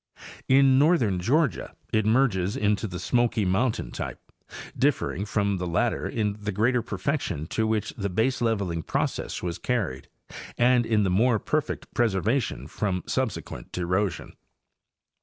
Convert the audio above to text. In northern Georgia it merges into the Smoky mountain type, differing from the latter in the greater perfection to which the baseleveling process was carried and in the more perfect preservation from subsequent erosion.